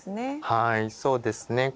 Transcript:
はいそうですね。